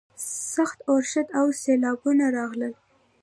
سخت اورښت او سیلاوونه راغلل.